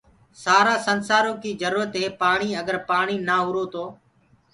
سآرآ سنسآرو ڪي جرورت هي پآڻيٚ اگر پآڻيٚ نآ هرو تو